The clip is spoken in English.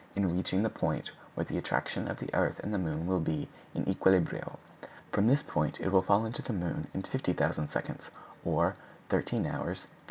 in reaching the point where the attraction of the earth and moon will be in equilibrio. From this point it will fall into the moon in 50,000 seconds, or 13hrs. 53m.